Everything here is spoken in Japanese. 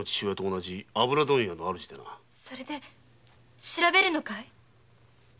それで調べるのかい？